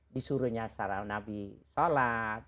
disuruhnya sarahun nabi sholat